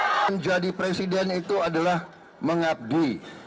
menjadi presiden itu adalah mengabdi